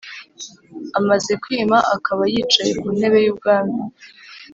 Amaze kwima akaba yicaye ku ntebe y’ubwami